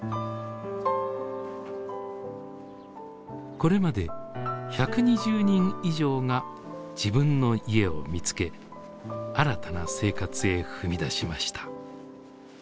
これまで１２０人以上が自分の家を見つけ新たな生活へ踏み出しました。